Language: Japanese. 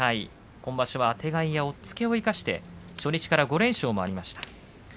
今場所はあてがいや押っつけを生かして初日から５連勝もありました。